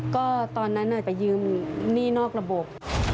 ก็ตอนนั้นไปยืมหนี้นอกระบบ